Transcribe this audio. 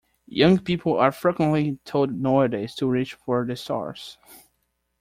Young people are frequently told nowadays to reach for the stars.